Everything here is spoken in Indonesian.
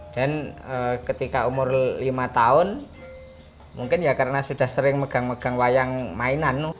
dan ketika umur lima tahun mungkin ya karena sudah sering megang megang wayang mainan